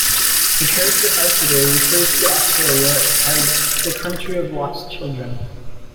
The character Arkady refers to Australia as "the country of lost children".